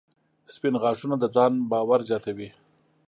• سپین غاښونه د ځان باور زیاتوي.